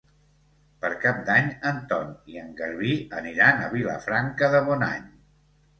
Per Cap d'Any en Ton i en Garbí aniran a Vilafranca de Bonany.